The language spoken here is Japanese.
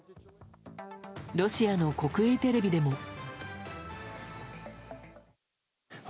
ロシアの国営テレビでも。